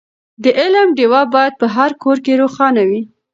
د علم ډېوه باید په هر کور کې روښانه وي.